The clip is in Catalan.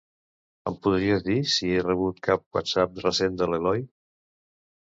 Em podries dir si he rebut cap whatsapp recent de l'Eloi?